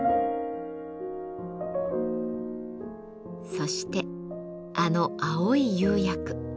そしてあの青い釉薬。